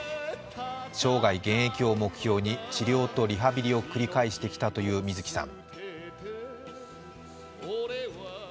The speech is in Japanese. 生涯現役を目標に治療とリハビリを繰り返してきたという水木さん。